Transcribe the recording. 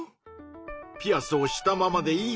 ピアスをしたままでいいのか？